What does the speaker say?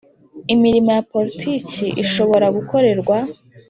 Imirimo ya poritiki ishobora gukorerwa